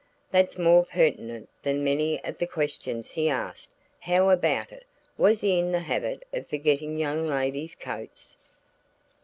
That's more pertinent than many of the questions he asked. How about it? Was he in the habit of forgetting young ladies' coats?"